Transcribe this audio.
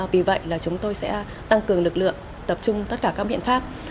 vì vậy là chúng tôi sẽ tăng cường lực lượng tập trung tất cả các biện pháp